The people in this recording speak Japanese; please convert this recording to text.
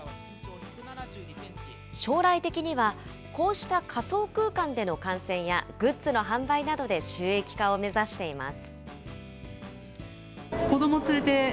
将来的には、こうした仮想空間での観戦や、グッズの販売などで収益化を目指しています。